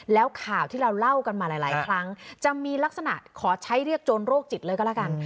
แล้วข่าวที่เราเล่ากันมาหลายครั้งจะมีลักษณะขอใช้เรียกโจรโรคจิตเลยก็แล้วกัน